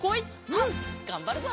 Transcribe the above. うんがんばるぞ！